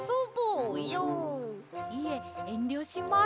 いええんりょします。